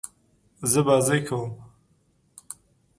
زه بازۍ کوم.